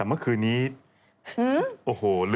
สวัสดีค่ะ